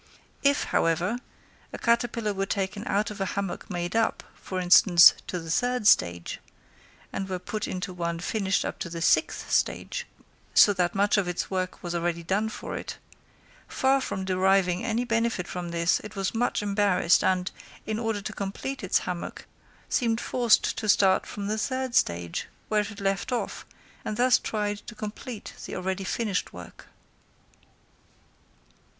If, however, a caterpillar were taken out of a hammock made up, for instance, to the third stage, and were put into one finished up to the sixth stage, so that much of its work was already done for it, far from deriving any benefit from this, it was much embarrassed, and, in order to complete its hammock, seemed forced to start from the third stage, where it had left off, and thus tried to complete the already finished work.